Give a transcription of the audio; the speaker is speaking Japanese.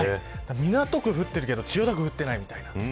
港区は降っているけど千代田区は降っていないみたいな。